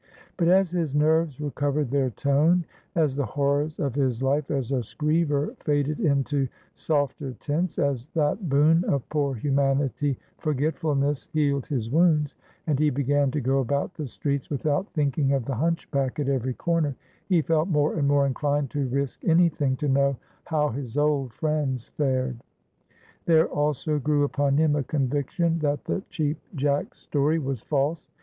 But as his nerves recovered their tone, as the horrors of his life as a screever faded into softer tints, as that boon of poor humanity—forgetfulness—healed his wounds, and he began to go about the streets without thinking of the hunchback at every corner, he felt more and more inclined to risk any thing to know how his old friends fared. There also grew upon him a conviction that the Cheap Jack's story was false.